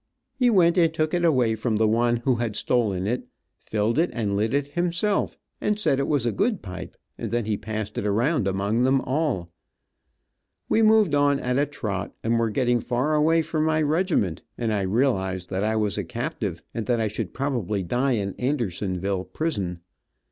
He went and took it away from the one who had stolen it, filled it and lit it himself, and said it was a good pipe, and then he passed it around among them all. We moved on at a trot, and were getting far away from my regiment, and I realized that I was a captive, and that I should probably die in Andersonville prison.